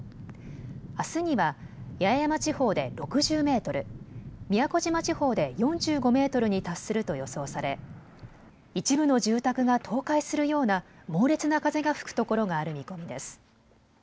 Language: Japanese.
あすには八重山地方で６０メートル、宮古島地方で４５メートルに達すると予想され一部の住宅が倒壊するような猛烈な風が吹くところがある見込みです。